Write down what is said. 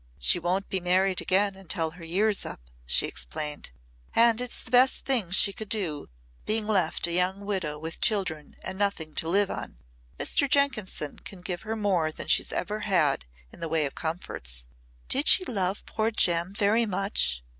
"She won't be married again until her year's up," she explained. "And it's the best thing she could do being left a young widow with children and nothing to live on. Mr. Jenkinson can give her more than she's ever had in the way of comforts." "Did she love poor Jem very much?"